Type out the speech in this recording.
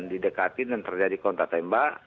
didekatin dan terjadi kontak tembak